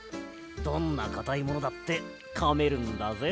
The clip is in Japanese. どんなかたいものだってかめるんだぜ。